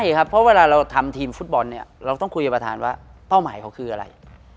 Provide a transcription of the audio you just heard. เพราะว่าเวลาเราทำทีมฟุตบอลเราต้องคุยกับประธานว่าเป้าหมายเขาคืออะไร